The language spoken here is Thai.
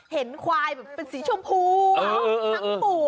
เห็นควายเป็นสีชมพูทั้งหมู